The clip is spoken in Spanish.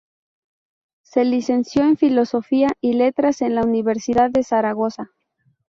Se licenció en Filosofía y Letras en la Universidad de Zaragoza.